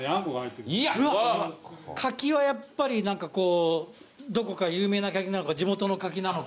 柿はやっぱり何かどこか有名な柿なのか地元の柿なのか。